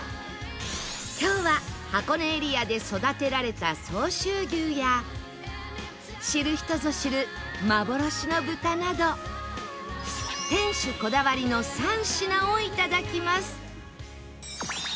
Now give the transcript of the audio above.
今日は箱根エリアで育てられた相州牛や知る人ぞ知る幻の豚など店主こだわりの３品をいただきます